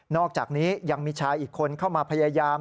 อกจากนี้ยังมีชายอีกคนเข้ามาพยายาม